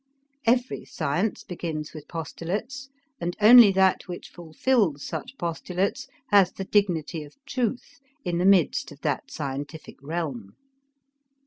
Every science begins with postulates and only that which fulfills such postulates has the dignity of truth in the midst of that scientific realm.